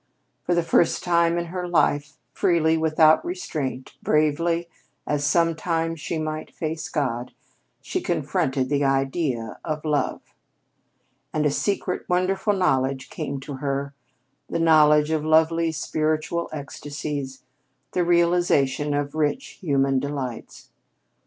For the first time in her life, freely, without restraint, bravely, as sometime she might face God, she confronted the idea of Love. And a secret, wonderful knowledge came to her the knowledge of lovely spiritual ecstasies, the realization of rich human delights.